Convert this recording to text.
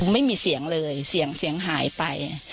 ไม่มีเสียงเลยเสียงเสียงหายไป